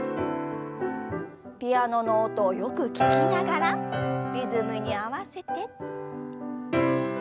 ピアノの音をよく聞きながらリズムに合わせて。